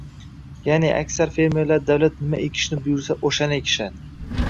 Ya’ni aksar fermerlar davlat nima ekishni buyursa, o‘shani ekishadi.